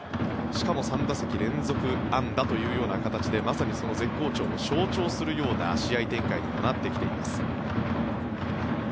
しかも３打席連続安打という形でまさに絶好調を象徴するような試合展開になってきています。